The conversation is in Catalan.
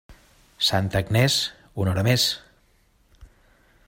Santa Agnés, una hora més.